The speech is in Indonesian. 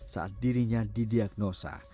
saat dirinya didiagnosa